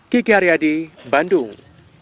kiki haryadi bandung